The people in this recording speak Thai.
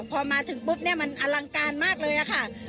พอมาถึงปุ๊บเนี่ยมันอลังการมากเลยค่ะ